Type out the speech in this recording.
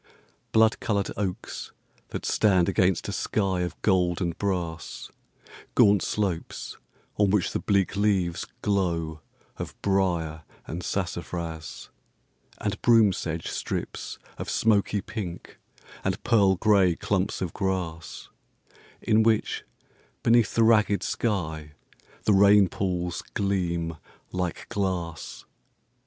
Blood coloured oaks, that stand against a sky of gold and brass; Gaunt slopes, on which the bleak leaves glow of brier and sassafras, And broom sedge strips of smoky pink and pearl gray clumps of grass, In which, beneath the ragged sky, the rain pools gleam like glass.